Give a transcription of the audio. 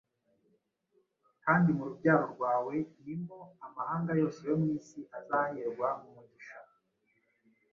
kandi mu rubyaro rwawe ni mo amahanga yose yo mu isi azaherwa umugisha